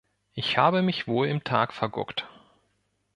Ich habe mich wohl im Tag verguckt.